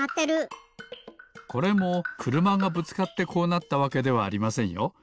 これもくるまがぶつかってこうなったわけではありませんよ。